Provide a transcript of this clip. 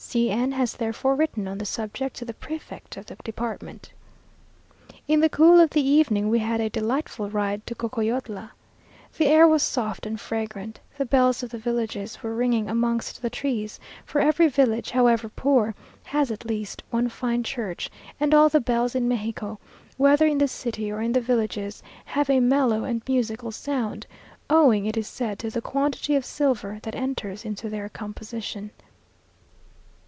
C n has therefore written on the subject to the prefect of the department. In the cool of the evening, we had a delightful ride to Cocoyotla. The air was soft and fragrant the bells of the villages were ringing amongst the trees, for every village, however poor, has at least one fine church, and all the bells in Mexico, whether in the city or in the villages, have a mellow and musical sound, owing, it is said, to the quantity of silver that enters into their composition.